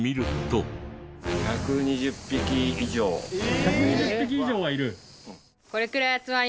１２０匹以上はいる？